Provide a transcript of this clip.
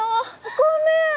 ごめん！